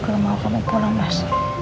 aku juga mau kamu pulang mas